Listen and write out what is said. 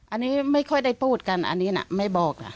อันนี้ไม่ค่อยได้พูดกันอันนี้นะไม่บอกนะ